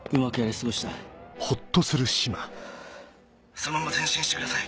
そのまま前進してください。